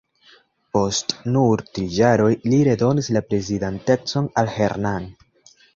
Post nur tri jaroj li redonis la prezidantecon al Herrmann.